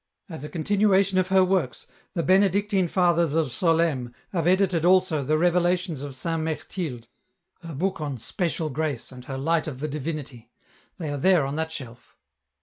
...'" As a continuation of her works, the Benedictine Fathers of Solesmes have edited also the ' Revelations ' of Saint Mechtilde, her book on ' Special Grace,' and her ' Light of the Divinity '; they are there on that shelf.